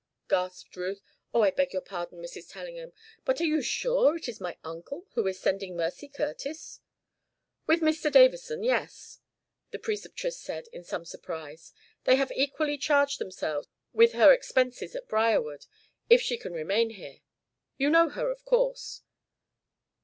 gasped Ruth. "O, I beg your pardon, Mrs. Tellingham. But are you sure it is my uncle who is sending Mercy Curtis?" "With Dr. Davison yes," the Preceptress said, in some surprise. "They have equally charged themselves with her expenses at Briarwood if she can remain here. You know her, of course?"